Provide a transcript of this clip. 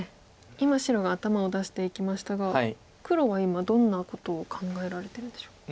今白が頭を出していきましたが黒は今どんなことを考えられてるんでしょうか。